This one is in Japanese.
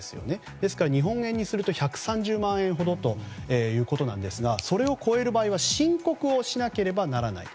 ですから、日本円にすると１３０万円ほどということなんですがそれを超える場合は申告をしなければならない。